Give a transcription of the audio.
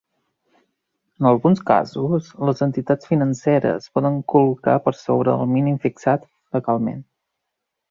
En alguns casos, les entitats financeres poden col·locar per sobre del mínim fixat legalment.